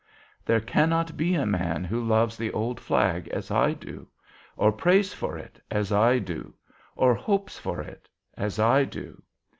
There cannot be a man who loves the old flag as I do, or prays for it as I do, or hopes for it as I do.